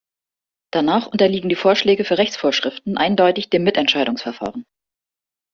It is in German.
Danach unterliegen die Vorschläge für Rechtsvorschriften eindeutig dem Mitentscheidungsverfahren.